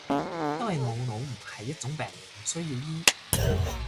因為冇腦唔係一種病，唔需要醫